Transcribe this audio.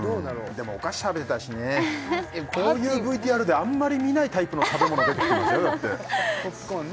でもお菓子食べてたしねこういうＶＴＲであんまり見ないタイプの食べ物出てきましたよだってポップコーンね